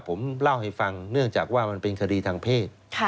ผมเล่าให้ฟังเนื่องจากว่ามันเป็นคดีทางเพศ